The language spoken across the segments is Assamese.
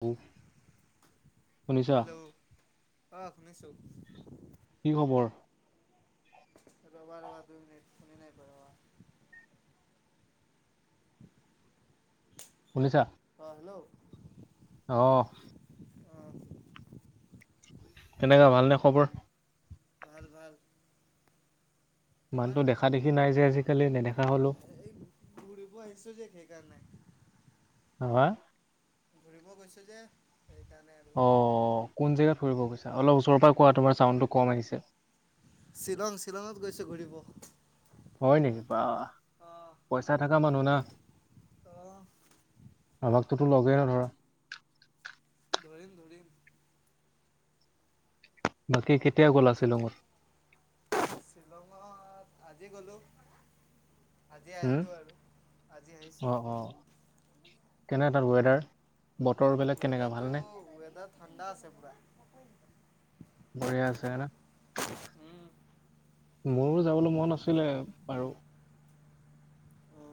উম। হেল্ল'! অঁ শুনিছোঁ। কি খবৰ? ৰবা ৰবা, দুই মিনিট, দুই মিনিট ৰবা। শুনিছা? অ' হেল্ল। অ। অ'। কেনেকা ভালনে খবৰ? ভাল, ভাল। তোমাৰ মানুহটো দেখা দেখি নাই যে আজিকালি, নেদেখা হ'লো। এই ফুৰিব আহিছোঁ যে সেইকাৰণে হা ফুৰিব গৈছো যে সেইকাৰণে। আৰু অ' কোন জেগাত ফুৰিব গৈছা? অলপ ওচৰৰ পৰা কোৱা তোমাৰ চাউণ্ডটো কম আহিছে। শ্বিলং, শ্বিলঙত গৈছো ঘূৰিব। হয় নেকি? বাহ, পইচা থকা মানুহ না। অ। আমাকতোতো লগেই নধৰ। ধৰিম, ধৰিম। বাকী কেতিয়া গ'লা শ্বিলঙত? শ্বিলঙত আজি গ'লো। আজি হুম আহিলোঁ আৰু, আজি আহিছোঁ। অ, কেনে তাত ৱেডাৰ, বতৰবিলাক কেনেকা, ভালনে? উম, ৱেডাৰ ঠণ্ডা আছে পুৰা। বঢ়িয়া আছে ন। উম! মোৰো যাবলৈ মন আছিলে, বাৰু অ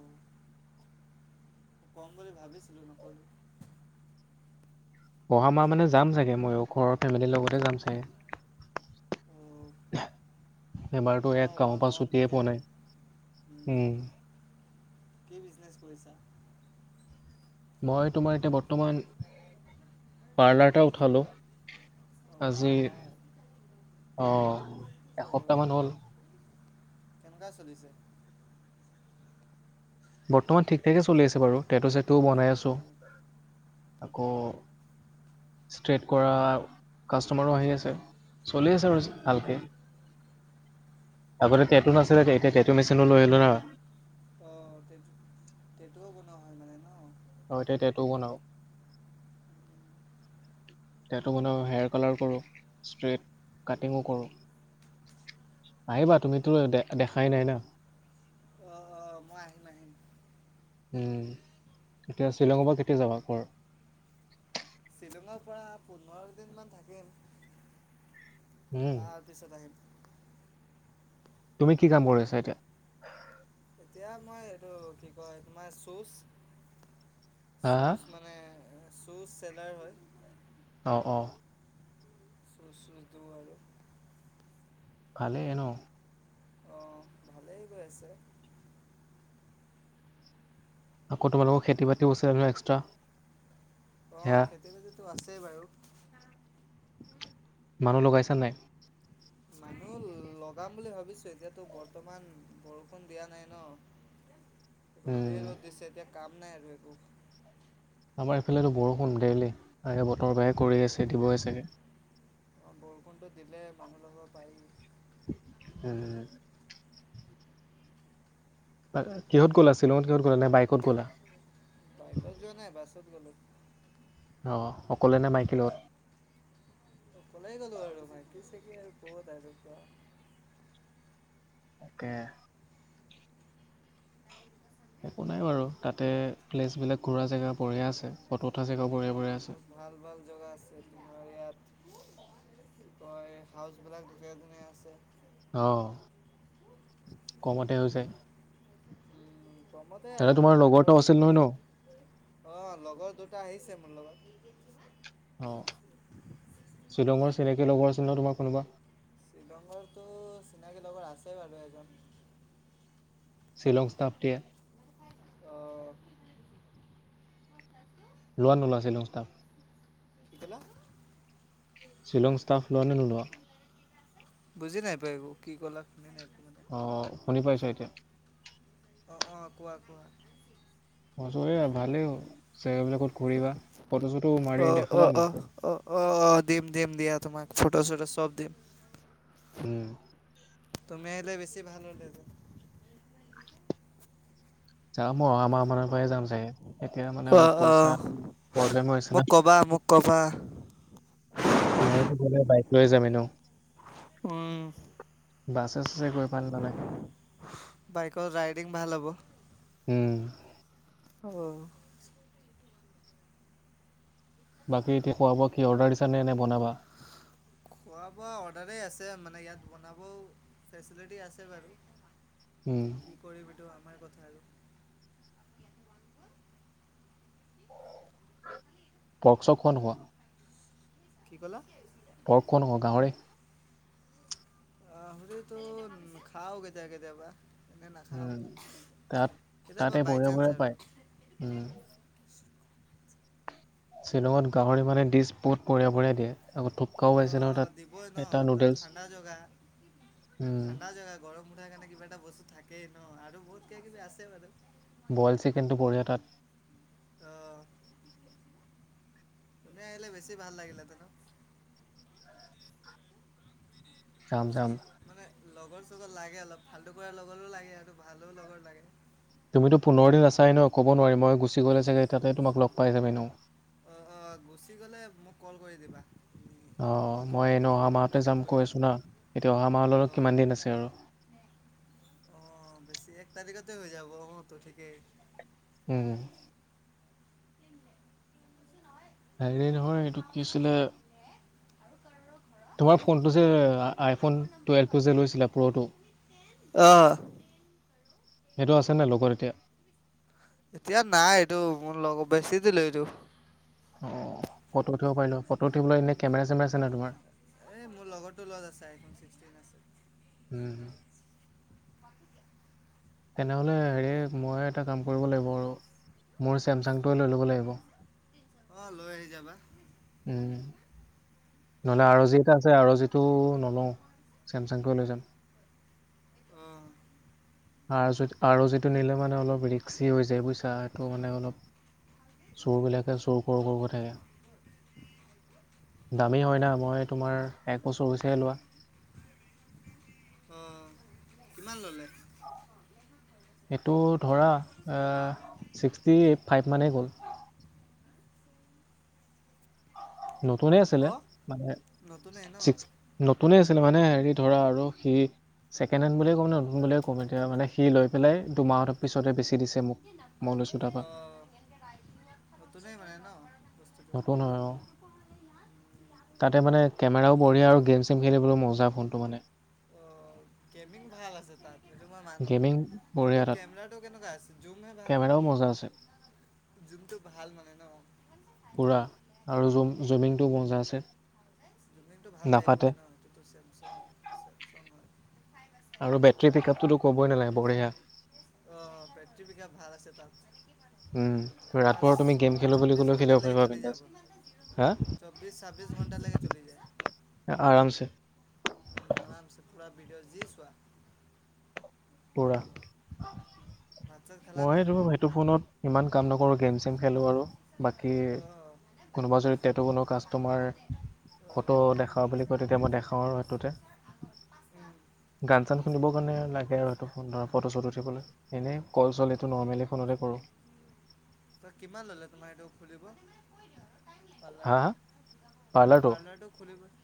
কম বুলি ভাবিছিলোঁ, নক'লোঁ। অহা মাহ মানে যাম চাগে মইয়ো, ঘৰৰ ফেমিলি লগতে যাম চাগে। অ এবাৰতো ব এয়া মই কামৰ পৰা কম ছুটিয়ে পোৱা তেতিয়াহ'লে নাই। উম। কি বিজনেছ কৰিছা? মই তোমাৰ এতিয়া বৰ্তমান, পাৰ্লাৰ এটা উঠালোঁ। অ' আজি, বাৰ লাখ অহ, অ' এসপ্তাহ মান হ'ল। কেনেকুৱা চলিছে? বৰ্তমান ঠিক-ঠাকে চলি আছে বাৰু, টেটু চেটুও বনাই আছোঁ। অ' আকৌ ষ্ট্ৰেইট কৰা কাষ্টমাৰো আহি আছে, চলি আছে আৰু অ' ভালকে। আগতে টেটু নাছিলে, এতিয়া টেটু মেচিনো লৈ' আহিলোঁ না। অ টেটু, টেটুও বনোৱা হয় মানে ন? অ, এতিয়া টেটু বনাওঁ। টেটু বনাওঁ, হেয়াৰ কালাৰ কৰোঁ, ষ্ট্ৰেইট কাটিঙো কৰোঁ। আহিবা, তুমিতো দে-দেখাই নাই ন! অ', অ'। অ', মই আহিম আহিম। উম! এতিয়া শ্বিলঙৰ পৰা কেতিয়া যাবা ঘৰ? শ্বিলঙৰ পৰা পোন্ধৰ দিন মান থাকিম। উম, তাৰ। পিছত আহিম। তুমি কি কাম কৰি আছা এতিয়া? এতিয়া মই এইটো কি কয়, তোমাৰ শ্বুজ, হা হা শ্বুজ মানে শ্বুজ চেলাৰ হয়। অ', অ'। প্ৰশ্নটো আৰু। ভালেই ন? অ', ভালেই গৈ আছে। আকৌ তোমোলোকৰ খেতি-বাতিও আছে নহয় এক্সটা। অ', খেতি-বাতিতো আছেই বাৰু। মানুহ লগাইছা নে নাই? মানুহ লগাম বুলি ভাবিছোঁ। এতিয়াতো বৰ্তমান বৰষুণ দিয়া নাই ন! উম, ৰ'দেই ৰ'দ দিছে, এতিয়া কাম নাই আৰু একো। আমাৰ ইফালেতো বৰষুণ, ডেইলি। আগে বতৰ বেয়াই কৰি আছে দিবই চাগে। অ', বৰষুণটো দিলে মানুহ লগাব পাৰি। উম। বাই- কিহত গ'লা শ্বিলঙত কিহত গ'লা? নে বাইকত গ'লা? বাইকত যোৱা নাই, বাছত গ'লো। অ', অকলেনে মাইকী লগত? অকলেই গ'লো আৰু। মাইকী চাইকী ক'ত আৰু এতিয়া। তাকে। একো নাই বাৰু। তাতে প্লেছবিলাক ঘূৰা জেগা বঢ়িয়া আছে। ফটো উঠা জেগাও বঢ়িয়া বঢ়িয়া অঁ আছে। বহুত ভাল ভাল জোগা আছে তোমাৰ ইয়াত। কি কয় হাউচবিলাক ধুনীয়া ধুনীয়া আছে। অ', কমতে হৈ যায়। উম কমতে দাদা আৰু। তোমাৰ লগৰ এটাও আছিল নহয় ন ল- অ' লগৰ দুটা আহিছে মোৰ লগত। অ', শ্বিলঙৰ চিনাকি লগৰ আছিল ন তোমাৰ কোনোবা! শ্বিলঙৰটো চিনাকি লগৰ আছে বাৰু এজন। শ্বিলং ষ্টাফ দিয়ে। অ'। লোৱা নে নোলোৱা শ্বিলং ষ্টাফ? কি ক'লা? শ্বিলং ষ্টাফ লোৱা নে নোলোৱা? বুজি নাই পোৱা একো। কি ক'লা শুনি নাই পোৱা মানে অ', শুনি পাইছা এতিয়া? অঁ অঁ কোৱা কোৱা ভালেই জেগাবিলাকত ঘূৰিবা ফটো চটো অ মাৰি অ দেখাবা অ মোকো। অ অ অ দিম দিম দিয়া তোমাক ফটো চটো চব দিম। উম। তুমি আহিলে বেছি ভাল হ'ল হেতেন। যাম মই অহা মাহ মানৰ পৰাই যাম চাগৈ এতিয়া মানে অ অলপ অ পইচা প্ৰব্লেম হৈ আছে মোক না। ক'বা মোক কবা। মইতো গ'লে বাইক লৈ যাম এনেও। উম বাছে চাছে গৈ ভাল নালাগে বাইকৰ ৰাইডিং ভাল হ'ব উম অ বাকী এতিয়া খোৱা বোৱা কি অৰ্ডাৰ দিছা নে নে বনাবা খোৱা বোৱা অৰ্ডাৰেই আছে মানে ইয়াত বনাবও ফেচিলিটি আছে বাৰু উম এতিয়া কি কৰিম এইটো আমাৰ কথা আৰু পৰ্ক চৰ্ক খোৱা নোখোৱা কি ক'লা পৰ্ক খোৱা নোখোৱা গাহৰি গাহৰিটো খাও কেতিয়াবা কেতিয়াবা এনে নাখাওঁ উম তাত কেতিয়াবা তাতে বাই বঢ়িয়া চান্স বঢ়িয়া আৰু পায় উম শ্বিলঙত গাহৰি মানে ডিছ বহুত বঢ়িয়া বঢ়িয়া দিয়ে আকৌ থোপকাও অ পাইছে ন দিবই ন তাত এটা তাত নুডেলছ ঠাণ্ডা জেগা উম ঠাণ্ডা জেগা গৰম উঠাৰ কাৰণে কিবা এটা বস্তু থাকেই ন আৰু বহুত কিবাকিবি আছেই বাৰু বইল চিকেনটো বঢ়িয়া তাত অ তুমি আহিলে বেছি ভাল লাগিলেহেতেন অ যাম যাম মানে লগৰ চগৰ লাগে অলপ ফাল্টু কৰা লগৰো লাগে আৰু ভালোও লগৰ লাগে তুমিতো পোন্ধৰ দিন আছাই ন ক'ব নোৱাৰি মই গুচি গ'লে চাগে তাতে তোমাক লগ পাই যাম এনেও অ অ গুচি গ'লে মোক কল কৰি দিবা উম, অ মই তোমাক এনেও হেৰি অহা কৰি ল'ম মাহতে পিক আপ যাম কৰি কৈ ল'ম আছোঁ না এতিয়া অহা মাহৰলৈ অঁ কিমান দিন আছে আৰু অ বেছি এক তাৰিখতে হৈ যাব অ তো ঠিকেই উম হয় হেৰি নহয় এইটো কি আছিলে তোমাৰ কি ফোনটো যে আইফোন টুৱেল্ভটো যে লৈছিলা প্ৰ'টো অ সেইটো আছে নাই লগত এতিয়া এতিয়া নাই এইটো মোৰ লগত বেছি দিলো এইটো অ ফটো উঠিব পাৰিলো হয় ফটো উঠিবলৈ এনেই কেমেৰা চেমেৰা আছে নাই তোমাৰ এই মোৰ লগৰটো লগত আছে আইফোন ছিক্সটিন আছে উম তেনেহ'লে হেৰি মই এটা কাম কৰিব লাগিব আৰু মোৰ ছেমচাংটোৱে লৈ ল'ব লাগিব অ লৈ আহি যাবা উম নহ'লে আৰ অ জি এটা আছে আৰ অ জিটো নলওঁ চেমচাংটোৱে লৈ যাম অ আৰ জি আৰ জিটো নিলে মানে অলপ ৰিক্সি হৈ যায় বুজিছা সেইটো মানে অলপ চোৰবিলাকে চোৰ কৰো কৰো কৈ থাকে দামী হয় না মই তোমাৰ এক বছৰ হৈছেহে লোৱা। অ কিমান ল'লে এইটো ধৰা অহ ছিক্সটি এইট ফাইভ মানেই গ'ল। নতুনে আছিলে অঁ মানে নতুনেই ন অঁ ছিক্স নতুনে আছিল মানে হেৰি ধৰা আৰু সি ছেকেণ্ড হেণ্ড বুলিয় ক'ম নে নতুন বুলিয় ক'ম এতিয়া, মানে সি লৈ পেলাই দুমাহৰ পিছতে বেছি দিছে। মোক, মই লৈছোঁ তাৰপৰা। [inaudible] নতুনে হয় ন? নতুন হয় অ'। তাতে মানে কেমেৰাও বঢ়িয়া, আৰু গেম-চেম খেলিবলৈও মজা ফোনটো মানে। অ, গেমিং ভাল আছে তাত। সেইটো মই মানো। গেমিং কিন্তু বঢ়িয়া তাত কেমেৰাটো কেনেকুৱা আছে? জুমহে ভাল। কেমেৰাও মজা আছে যোনটো ভাল মানে ন। পুৰা আৰু জুম-জুমিংটোও মজা আছে। সেইটোতো ভাল নাফাতে লাগিবই ন, সেইটোতো চেমচং। আৰু বেটৰী পিকআপটোতো ক'বই নালাগে, বঢ়িয়া। অ, বেটৰী পিকআপ ভাল আছে তাত। উম, তোমার ৰাতভৰ ছ তুমি গেম খেলোঁ বুলি চব্বিশ ক'লেও খেলিব পাৰিবা, বিন্দাচ। চৌবিশ, ছাব্বিশ ঘণ্টালৈকে চলি যায়। এ আৰামছে। উম, আৰামছে, পূৰা ভিডঅ' যি চোৱা। পূৰা, ভাত চাত খালা নে মই সেইটো ফোনত ইমান কাম নকৰোঁ, গেমছ গেম খেলোঁ আৰু বাকী অঁ অঁ কোনোবা যদি টেটু বনোৱা কাষ্টমাৰ ফটো দেখা বুলি কয়, তেতিয়া মই দেখাও আৰু সেইটোতে। উম, গান-চান শুনিব কাৰণে লাগে আৰু। ফটো- চটো উঠিবলৈ। এনেই কল- চল উম। এইটো নৰ্মেলি ফোনতে কৰোঁ। ত, কিমান ল'লে তোমাৰ এইটো খুলিব? হা পাৰ্লাৰটো, হা পাৰ্লাৰটো খুলিবলৈ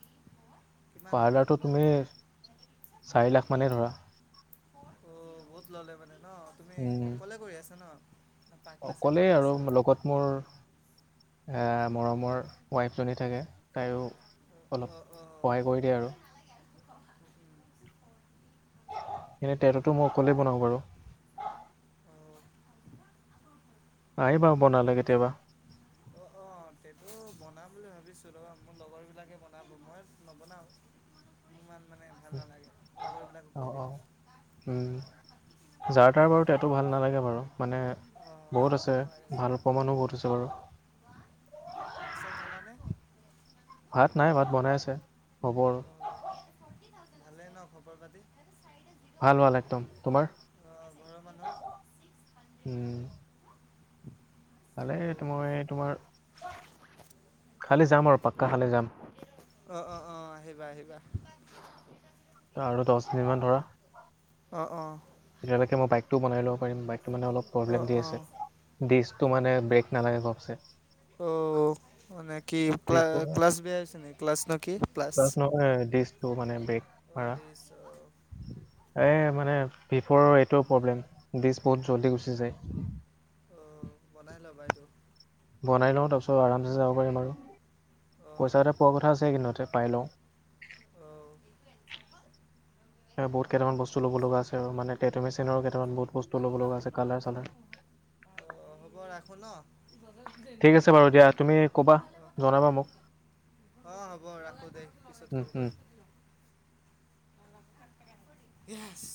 পাৰ্লাৰটো তুমি, চাৰি লাখ মানেই ধৰা। অ', বহুত ল'লে মানে ন, তুমি উম অকলে কৰি আছা ন? পাৰ্টনাৰশ্বিপত অকলেই আৰু আছা লগত মোৰ এই মৰমৰ ৱাইফজনী থাকে, তায়ো অলপ অ অ অ সহায় কৰি দিয়ে আৰু। এনে টেটুটো মই অকলেই বনাওঁ বাৰু। আহিবা বনালে কেতিয়াবা। অ', অ', টেটু বনাম বুলি ভাবিছোঁ ৰ'বা, মোৰ লগৰবিলাকে বনাব। মই নবনাও। [inaudible] ইমান মানে ভাল নালাগে। লগৰবিলাকক কৈ দিম। উম, যাৰ তাৰ বাৰু টেটু ভাল নালাগে বাৰু। মানে অ বহুত ভাল আছে। নালাগে ভাল পোৱা মানুহো বহুত আছে বাৰু। ভাত-চাত খালা নে? ভাত নাই, ভাত বনাই আছে। হ'ব আৰু। [inaudible] ভালে ন খবৰ পাতি? ভাল- ভাল একদম। তোমাৰ? অ ঘৰৰ মানুহৰ উম। হেল্ল' মই তোমাৰ, কালিলৈ যাম আৰু, পাক্কা কালিলৈ যাম। অ', অ', আহিবা- আহিবা। আৰু দশ দিনমান ধৰা। অ', অ'। তেতিয়ালৈকে মই বাইকটো বনাই ল'ব পাৰিম। বাইকটো মানে অলপ অ প্ৰব্লেম অ দিছে। ডিস্কটো মানে ব্ৰেক নালাগে গোপচে। অ', মানে কি ক্লা, ঘপচে ক্লাছ বেয়া হৈছে নেকি, ক্লাছ না কি? ক্লাছ নহয়, ডিক্সটো, মানে ব্ৰেগ অ মাৰা। দিছ অ এ মানে ভিপৰ এইটোও প্ৰব্লেম, ডিচ বহুত জল্দি গুচি যায়। অ', বনাই লবা এইটো। বনাই লওঁ, তাৰপিছত আৰামছে যাব পাৰিম আৰু, পইচা অ এটা পোৱা কথা আছে এইকেইদিনতে, পাই লওঁ। অ'। এ, কেইটামান বস্তু লব লগা আছে আৰু, মানে টেটু মেচিনৰো কেইটামান বহুত ব স্তু, ল'ব মিছা লগা আছে ফোনটো লগাইছিলা কালাৰ-চালাৰ। ফোন অ' হব ৰাখোঁ আছে বাৰু দিয়া তুমি ক'বা ন' জনাবা মোক [unintelligible] অ', হ'ব, ৰাখোঁ দে, পিছত উম, কল উম। কৰিম। ইয়েছ।